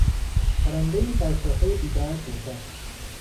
پرندهای بر شاخهی بیبرگ نشست.